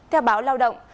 theo báo lao động